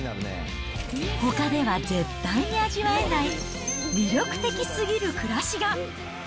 ほかでは絶対味わえない魅力的すぎる暮らしが。